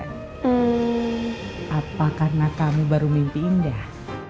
hmm apa karena kami baru mimpi indah